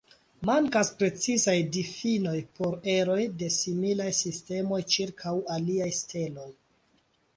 Mankas precizaj difinoj por eroj de similaj sistemoj ĉirkaŭ aliaj steloj.